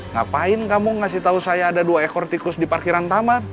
ngapain kamu ngasih tahu saya ada dua ekor tikus di parkiran taman